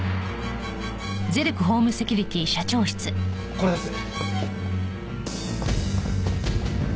これです。